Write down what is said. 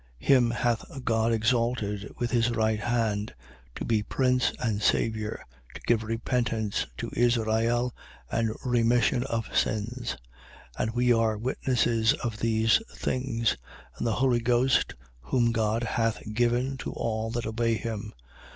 5:31. Him hath God exalted with his right hand, to be Prince and Saviour. to give repentance to Israel and remission of sins. 5:32. And we are witnesses of these things: and the Holy Ghost, whom God hath given to all that obey him.